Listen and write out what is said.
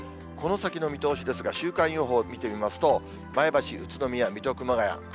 この先の見通しですが、週間予報見てみますと、前橋、宇都宮、水戸、熊谷。